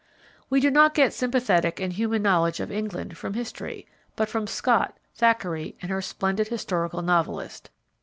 We do not get sympathetic and human knowledge of England from History, but from Scott, Thackeray and her splendid historical novelists.